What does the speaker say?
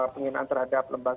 penghinaan terhadap lembaga